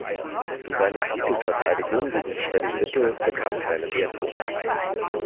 Seine Titelverteidigung gegen Freddie Little bekam keine Wertung.